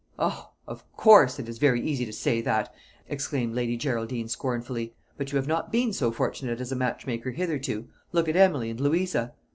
"O, of course it is very easy to say that," exclaimed Lady Geraldine scornfully; "but you have not been so fortunate as a match maker hitherto. Look at Emily and Louisa."